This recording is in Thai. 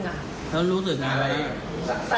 เขารู้สึกอะไร